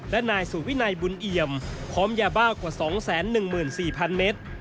และนายสุวินัยบุญเอี่ยมพร้อมยาบ้ากว่า๒๑๔๐๐๐เมตร